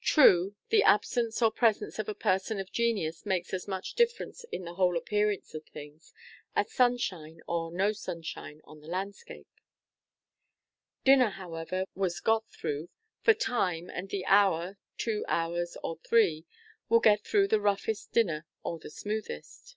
True, the absence or presence of a person of genius makes as much difference in the whole appearance of things, as sunshine or no sunshine on the landscape. Dinner, however, was got through, for time and the hour, two hours, or three, will get through the roughest dinner or the smoothest.